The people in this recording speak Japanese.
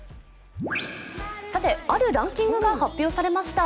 さて、あるランキングが発表されました。